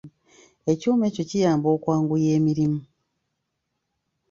Ekyuma ekyo kiyamba okwanguya emirimu.